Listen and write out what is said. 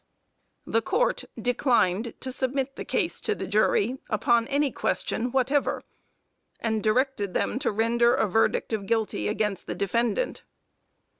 The Court declined to submit the case to the jury upon any question whatever, and directed them to render a verdict of guilty against the defendant.